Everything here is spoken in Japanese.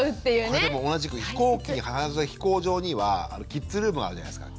これでも同じく飛行機に必ず飛行場にはキッズルームがあるじゃないですか。